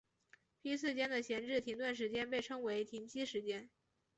批次间的闲置停顿时间被称为停机时间。